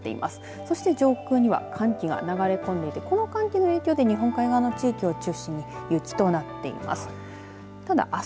そして上空には寒気が流れ込んでいてこの寒気の影響で日本海側の地域を中心に雪となっています。